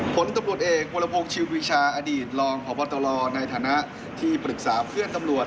ผลตำรวจเอกวรพงศ์ชิววิชาอดีตรองพบตรในฐานะที่ปรึกษาเพื่อนตำรวจ